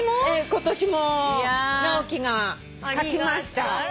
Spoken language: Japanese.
今年も直樹が描きました。